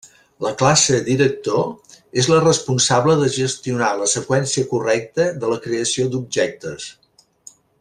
La classe Director és la responsable de gestionar la seqüència correcta de la creació d'objectes.